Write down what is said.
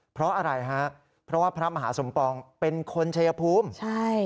เพราะอะไรฮะเพราะว่าพระมหาสมปองเป็นคนชัยภูมิใช่